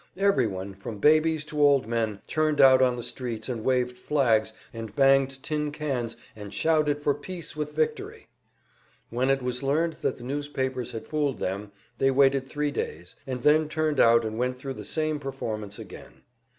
Everyone, from babies to old men, turned out on the streets and waved flags and banged tin cans and shouted for peace with victory. When it was learned that the newspapers had fooled them, they waited three days, and then turned out and went thru the same performance again.